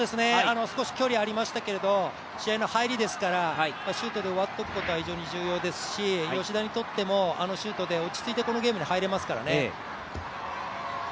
少し距離ありましたけど試合の入りですからシュートで終わっておくことは非常に重要ですし、吉田にとっても、あのシュートで落ち着いてこのゲームに入れますからね。